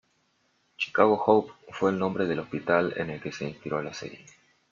Chicago Hope fue el nombre del hospital en que se inspiró la serie.